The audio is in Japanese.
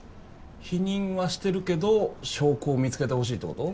否認はしてるけど証拠を見つけてほしいってこと？